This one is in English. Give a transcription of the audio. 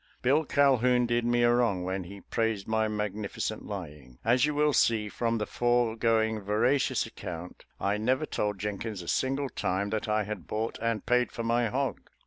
Bill Calhoun did me a wrong when he praised my magnificent lying. As you will see from the foregoing veracious account, I never told Jen kins a single time that I had bought and paid for my hog.